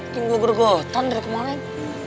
tinggal bergotan dari kemarin